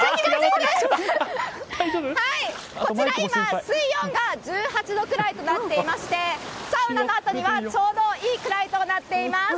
こちら今、水温が１８度くらいとなっていましてサウナのあとにはちょうどいいくらいとなっています。